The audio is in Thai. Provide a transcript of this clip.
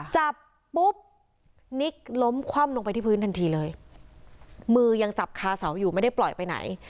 จับปุ๊บนิกล้มคว่ำลงไปที่พื้นทันทีเลยมือยังจับคาเสาอยู่ไม่ได้ปล่อยไปไหน